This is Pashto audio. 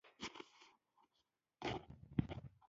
خو بیا به صبر وکړم.